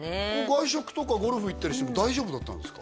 外食とかゴルフ行ったりしても大丈夫だったんですか？